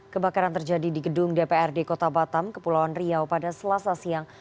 kebakaran terjadi di gedung dprd kota batam kepulauan riau pada selasa siang